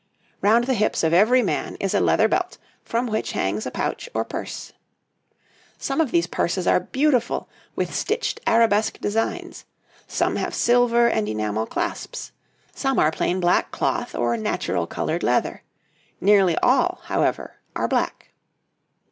Round the hips of every man is a leather belt, from which hangs a pouch or purse. Some of these purses are beautiful with stitched arabesque designs; some have silver and enamel clasps; some are plain black cloth or natural coloured leather; nearly all, however, are black.